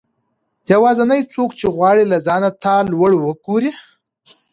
يوازنی څوک چې غواړي له ځانه تا لوړ وګورئ